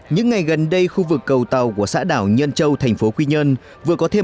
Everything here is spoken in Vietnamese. những ngày gần đây khu vực cầu tàu của xã đảo nhân châu thành phố quy nhơn vừa có thêm